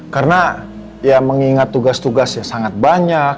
karena ya mengingat tugas tugasnya sangat banyak